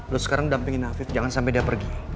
lu sekarang dampingin hafif jangan sampai dia pergi